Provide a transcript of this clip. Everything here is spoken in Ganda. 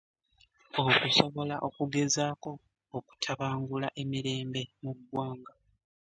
Okusobola okugezaako okutabangula emirembe mu ggwanga.